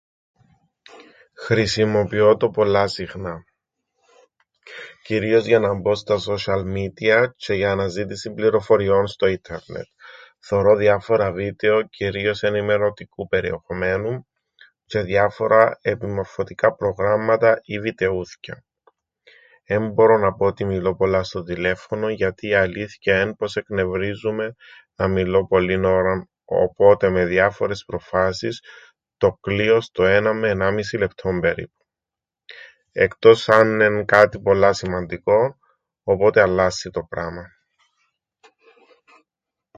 Χρησιμοποιώ το πολλά συχνά. Κυρίως για να μπω στα σόσ̆ιαλ μίντια τζ̆αι για αναζήτηση πληροφοριών στο ίντερνετ. Θωρώ διάφορα βίντεο, κυρίως ενημερωτικού περιεχομένου τζ̆αι διάφορα επιμορφωτικά προγράμματα ή βιτεούθκια. Εν μπορώ να πω ότι μιλώ πολλά στο τηλέφωνον, γιατί η αλήθκεια εν' πως εκνευρίζουμαι να μιλώ πολλήν ώρα, οπότε με διάφορες προφάσεις το κλείω στο έναν με ενάμισι λεπτόν περίπου, εχτός αν εν' κάτι πολλά σημαντικόν, οπότε αλάσσει το πράμαν.